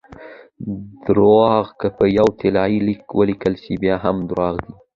درواغ که په یو طلايي لیک ولیکل سي؛ بیا هم درواغ دي!